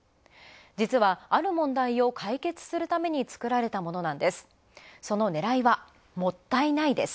実は、ある問題を解決するために作られたものなんです。